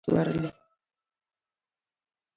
Lee moko matindo otamo jii nindo kaka chwarni